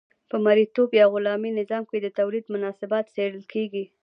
په مرئیتوب یا غلامي نظام کې د تولید مناسبات څیړل کیږي.